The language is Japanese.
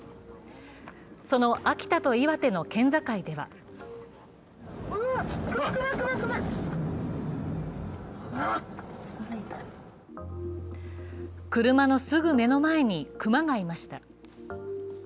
その秋田と岩手の県境では車のすぐ目の前に熊がいました。